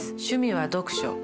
趣味は読書。